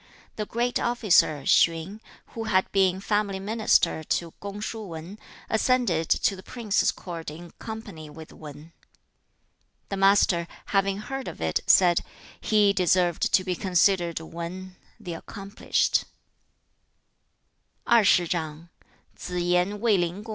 The great officer, Hsien, who had been family minister to Kung shu Wan, ascended to the prince's court in company with Wan. 2. The Master, having heard of it, said, 'He deserved to be considered WAN (the accomplished).'